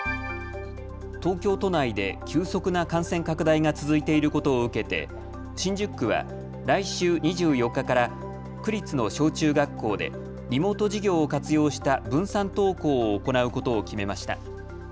東京都内で急速な感染拡大が続いていることを受けて新宿区は来週２４日から区立の小中学校でリモート授業を活用した分散登校を行うことを決めました。